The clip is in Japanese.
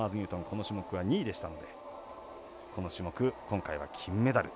この種目は２位でしたのでこの種目、今回は金メダル。